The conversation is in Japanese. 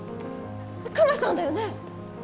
クマさんだよね？